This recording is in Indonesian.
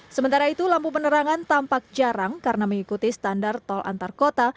sementara itu lampu penerangan tampak jarang karena mengikuti standar tol antar kota